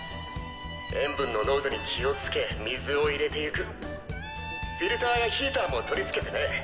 塩分の濃度に気をつけ水を入れていくフィルターやヒーターも取り付けてね！